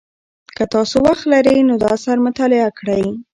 که تاسو وخت لرئ نو دا اثر مطالعه کړئ.